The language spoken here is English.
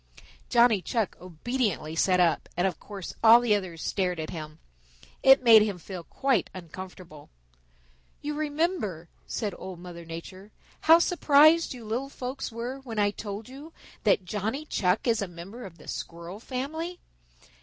Johnny Chuck obediently sat up, and of course all the others stared at him. It made him feel quite uncomfortable. "You remember," said Old Mother Nature, "how surprised you little folks were when I told you that Johnny Chuck is a member of the Squirrel family.